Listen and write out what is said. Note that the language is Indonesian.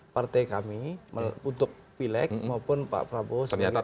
partai kami untuk pilek maupun pak prabowo